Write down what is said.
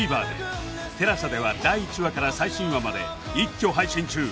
ＴＥＬＡＳＡ では第１話から最新話まで一挙配信中